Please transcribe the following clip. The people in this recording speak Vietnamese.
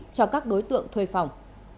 cho các đối tượng thuê phòng